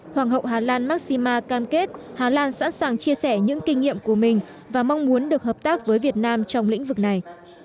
hoàng hậu hà lan massima cam kết hà lan sẵn sàng chia sẻ những kinh nghiệm của mình và mong muốn được hợp tác với việt nam trong lĩnh vực này